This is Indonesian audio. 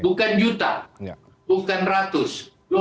bukan juta bukan ratus dua puluh